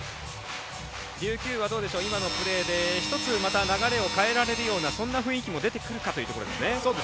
琉球は、今のプレーで１つまた流れを変えられるようなそんな雰囲気も出てくるかというところですね。